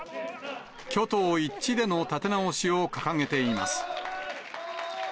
挙党一致での立て直しを掲げています。